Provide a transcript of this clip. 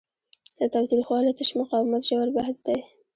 له تاوتریخوالي تش مقاومت ژور بحث دی.